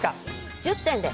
１０点です。